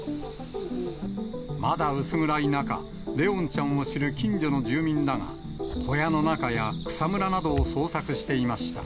まだ薄暗い中、怜音ちゃんを知る近所の住民らが小屋の中や草むらなどを捜索していました。